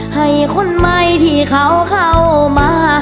ให้คนใหม่ที่เขาเข้ามา